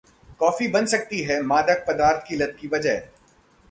coffee बन सकती है मादक पदार्थ की लत की वजह